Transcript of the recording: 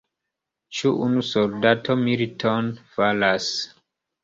Ĉu unu soldato militon faras?